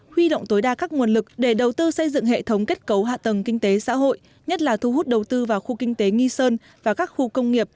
huy động tối đa các nguồn lực để đầu tư xây dựng hệ thống kết cấu hạ tầng kinh tế xã hội nhất là thu hút đầu tư vào khu kinh tế nghi sơn và các khu công nghiệp